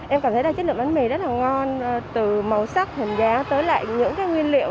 em cảm thấy là chất lượng bánh mì rất là ngon từ màu sắc hình dáng tới lại những cái nguyên liệu